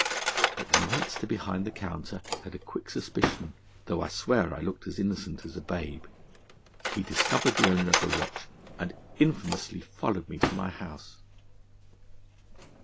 But the monster behind the counter had a quick suspicion, though I swear I looked as innocent as a babe; he discovered the owner of the watch, and infamously followed me to my house.